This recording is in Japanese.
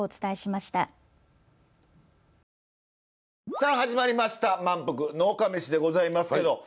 さあ始まりました「まんぷく農家メシ！」でございますけど。